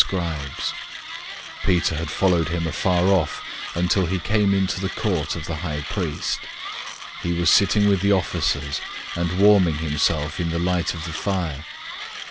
014:054 Peter had followed him from a distance, until he came into the court of the high priest. He was sitting with the officers, and warming himself in the light of the fire.